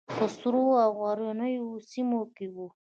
په سړو او غرنیو سیمو کې وو.